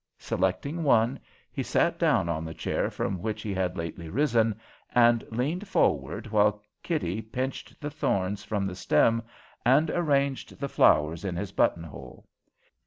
Selecting one, he sat down on the chair from which he had lately risen, and leaned forward while Kitty pinched the thorns from the stem and arranged the flower in his buttonhole.